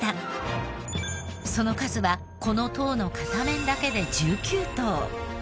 その数はこの塔の片面だけで１９灯。